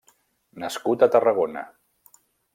Nascut a Tarragona.